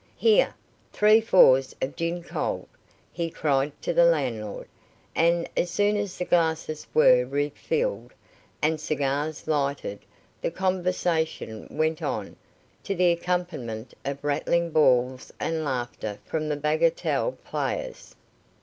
Here! three fours of gin cold," he cried to the landlord, and as soon as the glasses were refilled, and cigars lighted, the conversation went on, to the accompaniment of rattling balls and laughter from the bagatelle players.